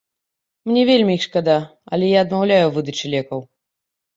Мне вельмі іх шкада, але я адмаўляю ў выдачы лекаў.